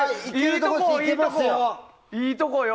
いいとこよ！